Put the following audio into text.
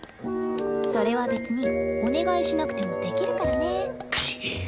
それは別にお願いしなくてもできるからね。